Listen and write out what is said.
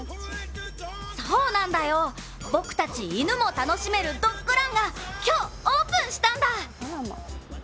そうなんだよ、僕たち犬も楽しめるドッグランが今日オープンしたんだ！